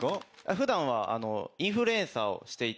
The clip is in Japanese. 普段はインフルエンサーをしていて。